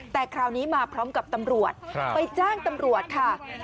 แต่คราวนี้มาพร้อมกับตำรวจไปแจ้งตำรวจค่ะ